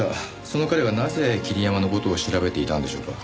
その彼がなぜ桐山の事を調べていたんでしょうか？